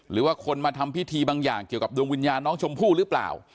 หรือว่าคนมาทำพิธีบางอย่างเกี่ยวกับดวงวิญญาณน้องชมพู่หรือเปล่า